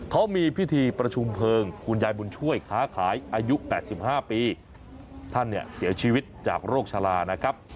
เขามีพิธีประชุมเพลิงคุณยายบุญช่วยค้าขายอายุ๘๕ปีท่านเนี่ยเสียชีวิตจากโรคชะลานะครับ